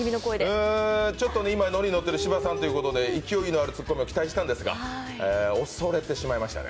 ちょっと今ノリにノッている芝さんということで期待したんですが恐れてしまいましたね。